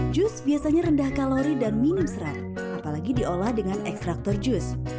jus biasanya rendah kalori dan minum serat apalagi diolah dengan ekstraktor jus